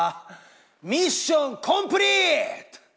ミッションコンプリート！